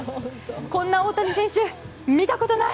こんな大谷選手見たことない。